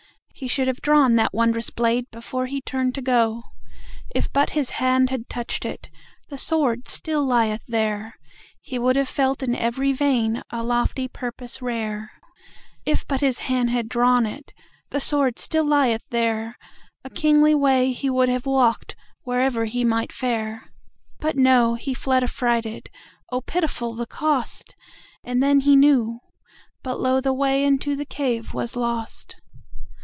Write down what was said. He should have drawn that wondrous bladeBefore he turned to go. If but his hand had touched it(The sword still lieth there!)He would have felt in every veinA lofty purpose thrill. If but his hand had drawn it(The sword still lieth there!)A kingly way he would have walked, Wherever he might fare. But no; he fled affrighted(Oh, pitiful the cost!)And then he knew; but lo! the wayInto the cave was lost.